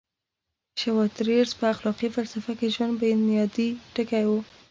شوایتزر په اخلاقي فلسفه کې ژوند بنیادي ټکی و.